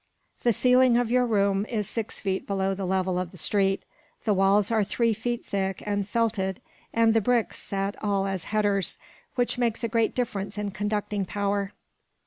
The ceiling of your room is six feet below the level of the street, the walls are three feet thick and felted, and the bricks set all as headers, which makes a great difference in conducting power.